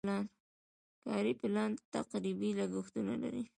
کاري پلان تقریبي لګښتونه لري.